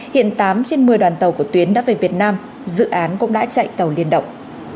hiện tám trên một mươi đoàn tàu của tuyến đã về việt nam dự án cũng đã chạy tàu liên động